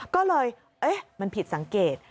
ก็เลยมันผิดสังเกต